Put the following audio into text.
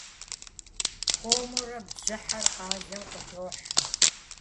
Хуэмурэ бжьыхьэр къалэм къыдохьэ.